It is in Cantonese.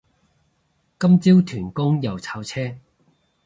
今朝屯公又炒車